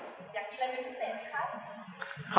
อยากกินอะไรเป็นพิเศษไหมครับ